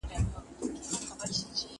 کار باید په دقت او تمرکز ترسره شي.